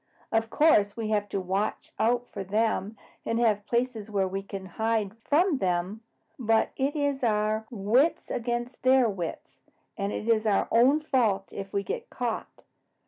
"Of course, we have to watch out for them and have places where we can hide from them, but it is our wits against their wits, and it is our own fault if we get caught.